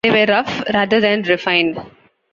They were rough, rather than refined.